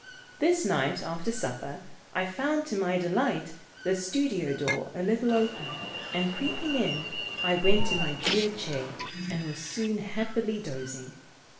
This night after supper, I found, to my delight, the studio door a little open, and creeping in, I went to my dear chair, and was soon happily dozing.